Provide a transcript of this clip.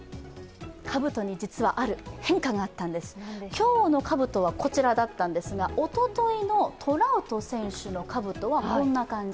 今日のかぶとは、こちらだったんですが、おとといのトラウト選手のかぶとは、こんな感じ。